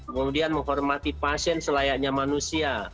kemudian menghormati pasien selayaknya manusia